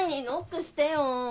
ノックしてよ。